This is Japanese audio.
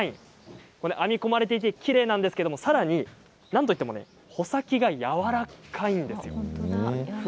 編み込まれていてきれいなんですがなんといっても穂先がやわらかいんです。